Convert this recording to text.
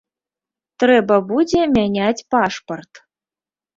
Трэба будзе мяняць пашпарт.